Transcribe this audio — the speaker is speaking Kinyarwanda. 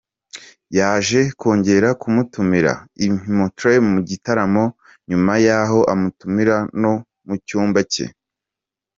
Yaje kongera kumutumira i Montreal mu gitaramo nyuma yaho amutumira no mu cyumba cye.